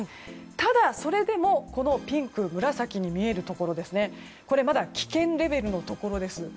ただ、それでもピンク、紫に見えるところこれはまだ危険レベルのところです。